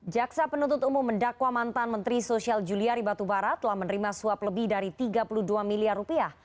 jaksa penuntut umum mendakwa mantan menteri sosial juliari batubara telah menerima suap lebih dari tiga puluh dua miliar rupiah